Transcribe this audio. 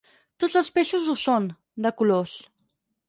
Tots els peixos ho són, de colors.